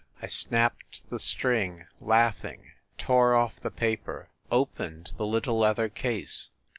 I snapped the string, laughing, tore off the paper, opened the little leather case